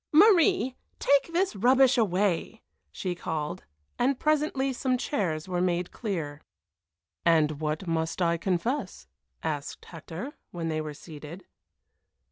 "Marie, take this rubbish away!" she called, and presently some chairs were made clear. "And what must I confess?" asked Hector, when they were seated.